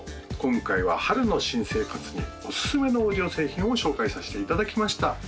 今回は春の新生活におすすめのオーディオ製品を紹介さしていただきました